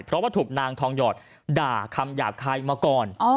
เพราะว่าถูกนางทองหยอดด่าคำหยาบคายมาก่อน